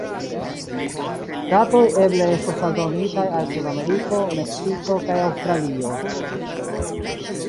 Datoj eble estos aldonitaj al Sudameriko, Meksiko kaj Aŭstralio.